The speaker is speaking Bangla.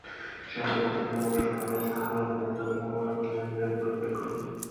সেই আপত্তি মেনে অবশেষে কাল আইসিসি ভারত-পাকিস্তান মহারণের ভেন্যু পরিবর্তন করল।